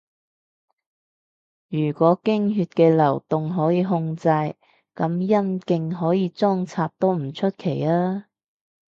如果經血嘅流動可以控制，噉陰莖可以裝拆都唔出奇吖